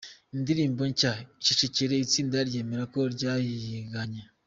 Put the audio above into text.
Indirimbo nshya “Icecekere” itsinda ryemera ko ryayiganye